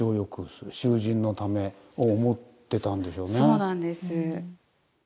そうなんです。